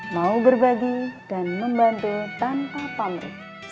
mau berbagi dan membantu tanpa pamrih